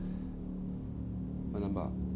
おい難破。